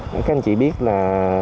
các anh chị biết là